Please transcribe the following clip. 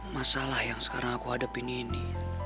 masalah yang sekarang aku hadapin ini